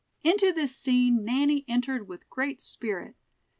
Into this scene Nanny entered with great spirit.